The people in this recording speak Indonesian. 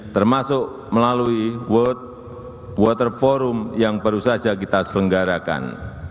termasuk melalui world water forum yang baru saja kita selenggarakan